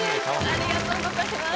ありがとうございます。